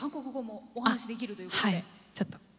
ちょっと。